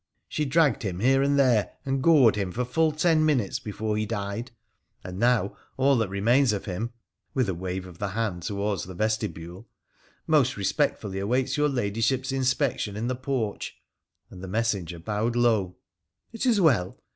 She dragged him here and there, PHRA THE PHCENICIAN 47 and gored him for full ten minutes before he died — and now all that remains of him,' with a wave of the hand towards the vestibule, ' most respectfully awaits your Ladyship's inspection in the porch !'— and the messenger bowed low. ' It is well.